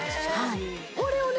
これをね